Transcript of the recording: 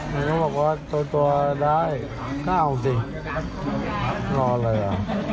มันก็บอกว่าตัวได้น่าเอาสินอนเลยอ่ะ